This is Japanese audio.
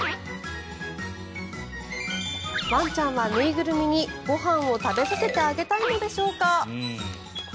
ワンちゃんは縫いぐるみにご飯を食べさせてあげたいのでしょうか。